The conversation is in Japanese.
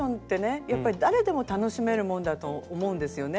やっぱり誰でも楽しめるもんだと思うんですよね。